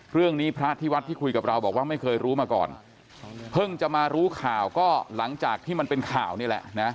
พระที่วัดที่คุยกับเราบอกว่าไม่เคยรู้มาก่อนเพิ่งจะมารู้ข่าวก็หลังจากที่มันเป็นข่าวนี่แหละนะ